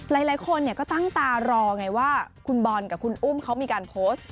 หลายคนก็ตั้งตารอไงว่าคุณบอลกับคุณอุ้มเขามีการโพสต์